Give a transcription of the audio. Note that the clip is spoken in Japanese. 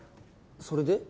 それで！？